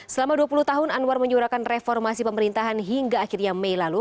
selama dua puluh tahun anwar menyuarakan reformasi pemerintahan hingga akhirnya mei lalu